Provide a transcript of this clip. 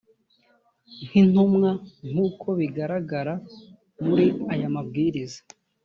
nk intumwa nk uko bigaragara muri aya mabwiriza